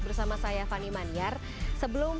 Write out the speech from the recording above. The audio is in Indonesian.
bersama saya fani maniar sebelum